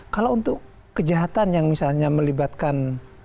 kalau untuk kejahatan yang misalnya melibatkan